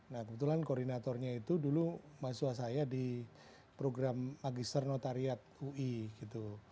nah kebetulan koordinatornya itu dulu mahasiswa saya di program magister notariat ui gitu